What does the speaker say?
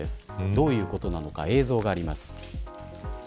どういうことなのか映像があります。